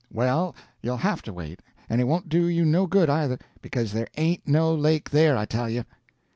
"Well, you'll have to wait; and it won't do you no good, either, because there ain't no lake there, I tell you."